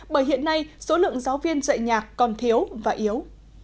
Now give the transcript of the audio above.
bởi hiện nay số lượng giáo viên dạy nhạc còn thiếu và yếu